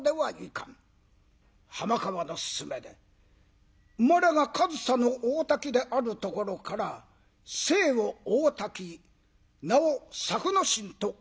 浜川の勧めで生まれが上総の大多喜であるところから姓を「大多喜」名を「作之進」と改めます。